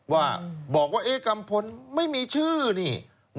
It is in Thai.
ว่าบอกว่ากัมพลไม่มีชื่อนี่